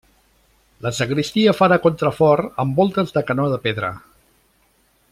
La sagristia fa de contrafort amb voltes de canó de pedra.